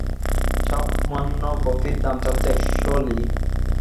সামান্য কফির দাম চাচ্ছে একুশ লী।